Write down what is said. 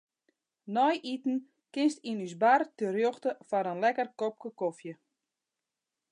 Nei iten kinst yn ús bar terjochte foar in lekker kopke kofje.